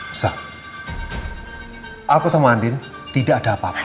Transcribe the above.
aku sama andin tidak ada apa apa